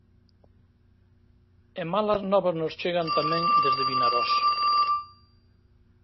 E malas novas nos chegan tamén desde Vinarós.